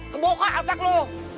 kebuka atak lo